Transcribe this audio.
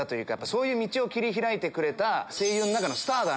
そういう道を切り開いてくれた。